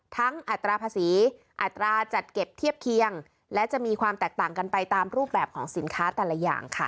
อัตราภาษีอัตราจัดเก็บเทียบเคียงและจะมีความแตกต่างกันไปตามรูปแบบของสินค้าแต่ละอย่างค่ะ